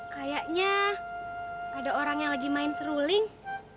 kayaknya ada orang yang lagi main seruling